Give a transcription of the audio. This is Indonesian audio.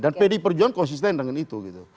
dan pdi perjuangan konsisten dengan itu gitu